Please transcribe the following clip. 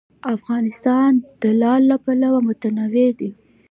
افغانستان د لعل له پلوه متنوع دی.